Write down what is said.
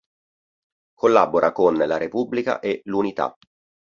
Collabora con "La Repubblica" e "L'Unità".